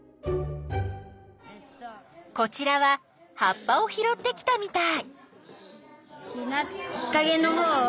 こちらは葉っぱをひろってきたみたい。